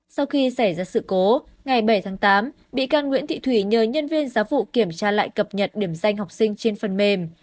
sau khi xảy ra sự cố ngày bảy tháng tám bị can nguyễn thị thủy nhờ nhân viên giá vụ kiểm tra lại cập nhật điểm danh học sinh trên phần mềm